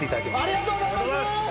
ありがとうございます！